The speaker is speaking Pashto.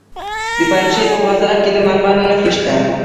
د پنجشیر په بازارک کې د مرمرو نښې شته.